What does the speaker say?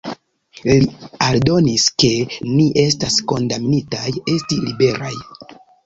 Li aldonis ke “ni estas kondamnitaj esti liberaj”.